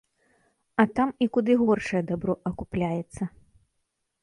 А там і куды горшае дабро акупляецца.